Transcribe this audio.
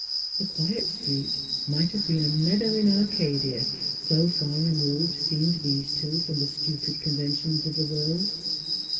The quiet street might have been a meadow in Arcadia, so far removed seemed these two from the stupid conventions of the world.